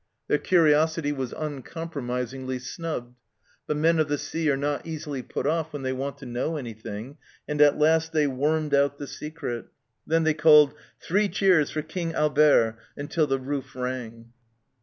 Their curiosity was uncompromisingly snubbed, but men of the sea are not easily put off when they want to know anything, and at last they wormed out the secret. Then they called, " Three cheers for King Albert," until the roof rang.